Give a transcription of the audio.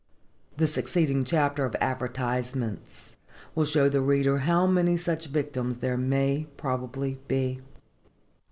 The succeeding chapter of advertisements will show the reader how many such victims there may probably be.